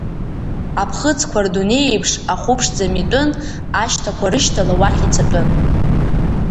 Аԥхыӡқәа рдунеи еиԥш Ахәыԥшӡа митәын, ашьҭақәа рышьҭала уахь ицатәын.